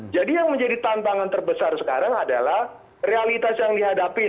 jadi yang menjadi tantangan terbesar sekarang adalah realitas yang dihadapi